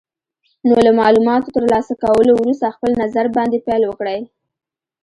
نو له مالوماتو تر لاسه کولو وروسته خپل نظر باندې پیل وکړئ.